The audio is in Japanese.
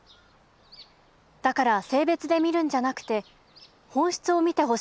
だから性別で見るんじゃなくて本質を見てほしい」。